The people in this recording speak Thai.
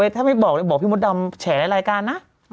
ถ้าไม่บอกเลยบอกพี่มดดำแฉในรายการนะ